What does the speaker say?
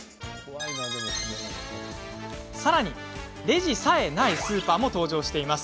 さらに、レジさえないスーパーも登場しています。